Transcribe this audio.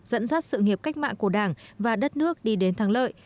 dẫn dắt sự nghiệp cách mạng của đảng và đất nước đi đến thắng lợi